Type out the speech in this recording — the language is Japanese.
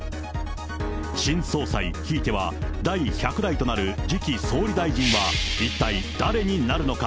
新総裁、ひいては第１００代となる次期総理大臣は一体誰になるのか。